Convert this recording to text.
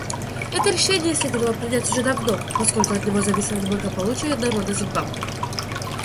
Это решение следовало принять уже давно, поскольку от него зависело благополучие народа Зимбабве.